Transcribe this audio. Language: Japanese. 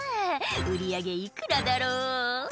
「売り上げ幾らだろう？」